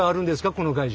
この会社。